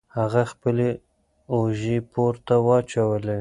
هغه خپلې اوژې پورته واچولې.